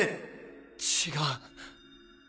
違う。